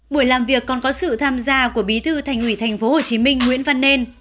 buổi làm việc còn có sự tham gia của bí thư thành ủy tp hcm nguyễn văn nên